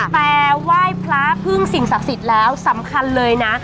แต่ไหว้พระพึ่งสิ่งศักดิ์สิทธิ์แล้วสำคัญเลยนะ